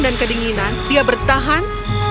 dan kedinginan dia bertahan